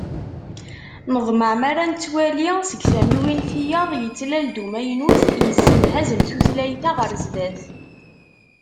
Neḍmeɛ mi ara nettwali seg tamiwin tiyaḍ yettlal-d umaynut yessemhazen tutlayt-a ɣer sdat.